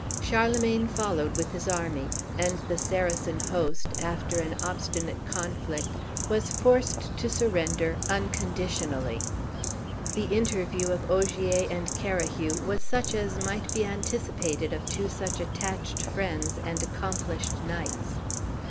Charlemagne followed with his army; and the Saracen host, after an obstinate conflict, was forced to surrender unconditionally. The interview of Ogier and Carahue was such as might be anticipated of two such attached friends and accomplished knights.